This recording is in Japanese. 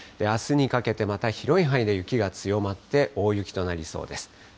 あすにかけて、また広い範囲で雪が強まって、大雪となりそうです。